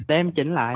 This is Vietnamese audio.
têm chỉnh lại